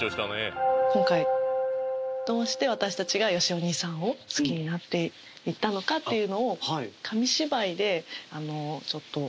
今回どうして私たちがよしお兄さんを好きになっていったのかっていうのをえ！